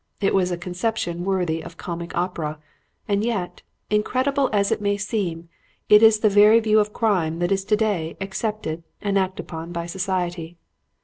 It was a conception worthy of comic opera; and yet, incredible as it may seem, it is the very view of crime that is today accepted and acted upon by society.